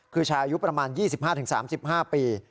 คือชายอายุประมาณ๒๕๓๕ปี